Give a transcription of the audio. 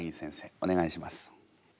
お願いします。